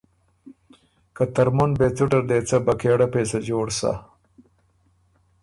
که ترمُن بې څُټه ر دې څۀ بکېړۀ پېڅه جوړ سَۀ